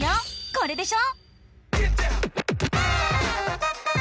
これでしょ？